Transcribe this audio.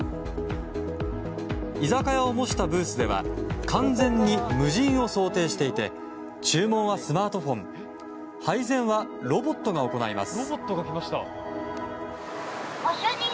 居酒屋を模したブースでは完全に無人を想定していて注文はスマートフォン配膳はロボットが行います。